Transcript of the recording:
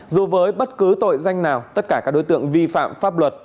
dù với bất cứ tội danh nào tất cả các đối tượng vi phạm pháp luật